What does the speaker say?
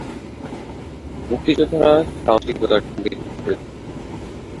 মুক্তিযোদ্ধারা সাহসিকতার সঙ্গে যুদ্ধ করছিলেন।